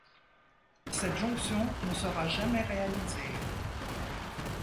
Cette jonction ne sera jamais réalisée.